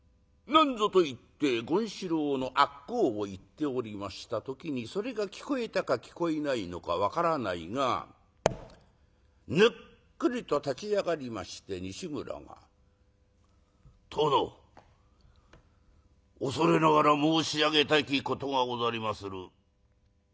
なんぞと言って権四郎の悪口を言っておりました時にそれが聞こえたか聞こえないのか分からないがぬっくりと立ち上がりまして西村が「殿恐れながら申し上げたきことがござりまする」。